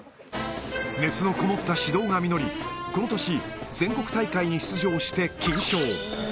熱の込もった指導が実り、この年、全国大会に出場して金賞。